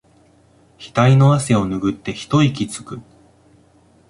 ひたいの汗をぬぐって一息つく